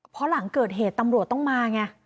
เพราะหลังเกิดเหตุตำรวจต้องมาไง